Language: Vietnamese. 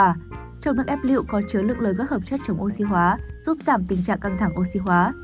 trong nước ép liệu có chứa lượng lớn các hợp chất chống oxy hóa giúp giảm tình trạng căng thẳng oxy hóa